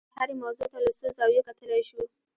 دغې هرې موضوع ته له څو زاویو کتلای شو.